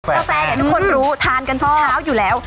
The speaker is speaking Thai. กาแฟเดี๋ยวทุกคนรู้ทานกันตอนเช้าอยู่แล้ว